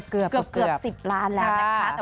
เกือบ๑๐ล้านแล้วนะคะ